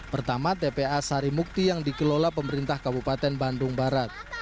pertama tpa sarimukti yang dikelola pemerintah kabupaten bandung barat